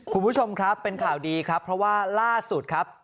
คุณผู้ชมครับเป็นข่าวดีครับเพราะว่าล่าสุดครับ